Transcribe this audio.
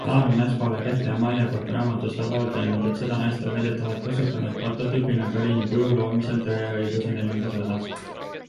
Laar on naispoole Käthe-Amalie kohta raamatus tabavalt öelnud, et seda naist on väidetavalt kasutanud prototüübina Karini kuju loomisel Tõe ja õiguse IV osas.